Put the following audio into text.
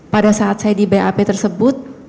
pada saat saya di bap tersebut